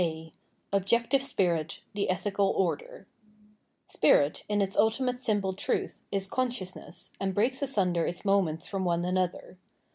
A Objective Spieit,* — The Ethical ObderI' Spirit, in its ultimate simple truth, is consciousness, and breaks asunder its moments from one another.